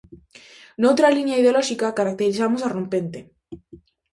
Noutra liña ideolóxica caracterizamos a Rompente.